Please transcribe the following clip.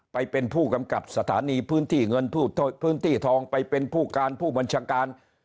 ไปเป็นผู้กำกับสถานีพื้นที่เงินพื้นที่ทองไปเป็นผู้การผู้บัญชาการ